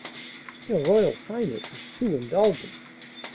"Your royal highness is too indulgent."